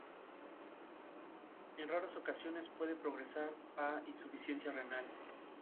En raras ocasiones puede progresar a insuficiencia renal.